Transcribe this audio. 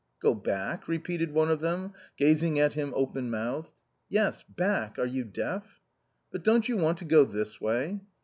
" Go back ?" repeated one of them, gazing at him open mouthed. " Yes, back ; are you deaf? "" But don't you want to go this way